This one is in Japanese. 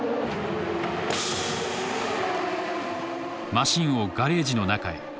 マシンをガレージの中へ。